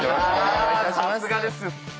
ああさすがです。